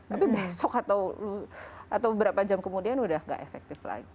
tapi besok atau beberapa jam kemudian udah gak efektif lagi